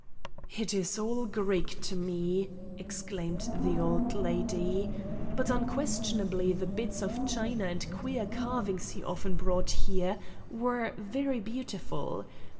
"It is all Greek to me!" exclaimed the old lady, "but unquestionably the bits of china and queer carvings he often brought here were very beautiful.